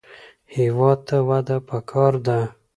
هېواد ته وده پکار ده